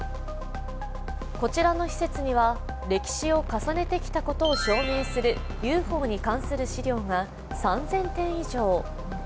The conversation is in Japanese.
こちらの施設には、歴史を重ねてきたことを証明するＵＦＯに関する資料が３０００点以上。